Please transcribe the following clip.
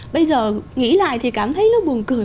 bây giờ nghĩ lại thì cảm thấy nó buồn cười